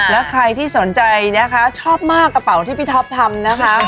แล้วใครที่สนใจนะคะชอบมากกระเป๋าที่พี่ท็อปทำนะคะ